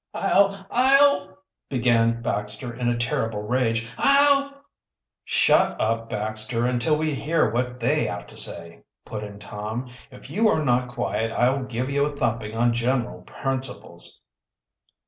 "I'll I'll " began Baxter, in a terrible rage. "I'll " "Shut up, Baxter, until we hear what they have to say," put in Tom. "If you are not quiet, I'll give you a thumping on general principles."